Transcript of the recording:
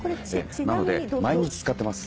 なので毎日使ってます。